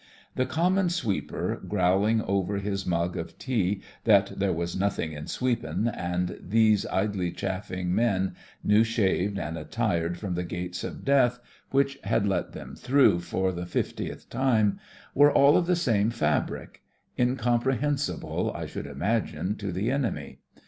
The "com mon sweeper," growling over his mug of tea that there w^as "nothing in sweepin'," and these idly chaflBng men, new shaved, and attired, from the eates of Death which had let 48 THE FRINGES OF THE FLEET them through for the fiftieth time, were all of the same fabric — incom prehensible, I should Imagine, to the enemy.